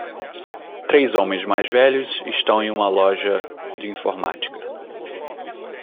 Três homens mais velhos estão em uma loja de informática.